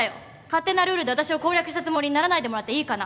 勝手なルールで私を攻略したつもりにならないでもらっていいかな？